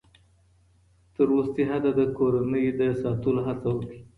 تر وروستي حده د کورنۍ د ساتلو هڅه وکړئ.